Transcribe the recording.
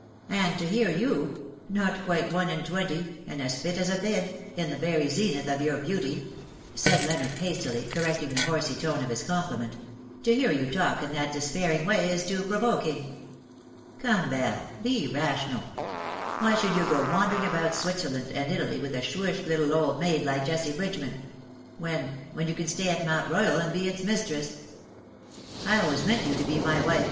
And to hear you — not quite one and twenty, and as fit as a fid — in the very zenith of your beauty/^ said Leonard, hastily correcting the horsey turn of his compliment, —" to hear you talk in that despairing way is too pro voking. Come, Belle, be rational. Why should you go wandering about Switzerland and Italy with a shrewish little old maid like Jessie Bridgeman — when — when you can stay at Mount Royal and be its mistress. I always meant you to be my wife.